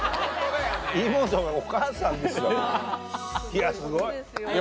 イモトがお母さんですよ。